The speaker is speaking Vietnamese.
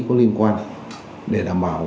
cơ quan để đảm bảo